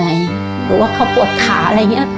หรือว่าเขาปวดขาอะไรอย่างนี้